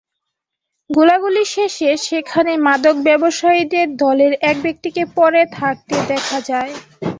গোলাগুলি শেষে সেখানে মাদক ব্যবসায়ীদের দলের এক ব্যক্তিকে পড়ে থাকতে দেখা যায়।